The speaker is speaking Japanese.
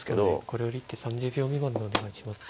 これより一手３０秒未満でお願いします。